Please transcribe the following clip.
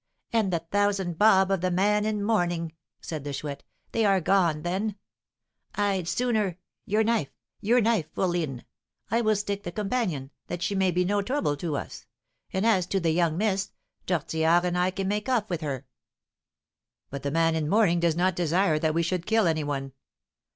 "And the thousand 'bob' of the man in mourning," said the Chouette; "they are gone, then? I'd sooner Your knife your knife, fourline! I will stick the companion, that she may be no trouble to us; and, as to the young miss, Tortillard and I can make off with her." "But the man in mourning does not desire that we should kill any one."